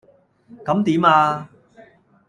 咁點呀?